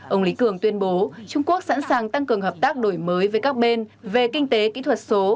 ông lý cường tuyên bố trung quốc sẵn sàng tăng cường hợp tác đổi mới với các bên về kinh tế kỹ thuật số